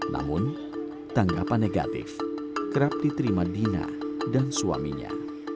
namun tanggapan negatif kerap diterima dina dan suaminya